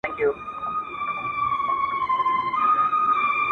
خدایه ته ګډ کړې دا د کاڼو زیارتونه.!